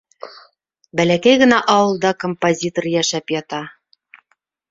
Бәләкәй генә ауылда композитор йәшәп ята!